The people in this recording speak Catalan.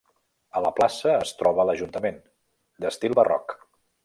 A la plaça es troba l'Ajuntament, d'estil barroc.